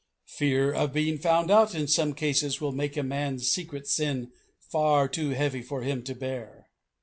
Fear of being found out in some cases will make a man's secret sin far too heavy for him to bear.